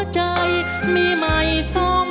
จะใช้หรือไม่ใช้ครับ